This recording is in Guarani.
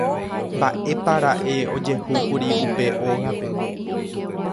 Mba'épara'e ojehúkuri upe ógape.